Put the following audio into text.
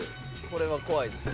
これは怖いです。